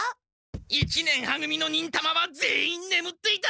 一年は組の忍たまは全員ねむっていた！